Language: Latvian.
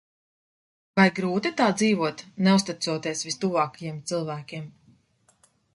Vai grūti tā dzīvot, neuzticoties vistuvākajiem cilvēkiem?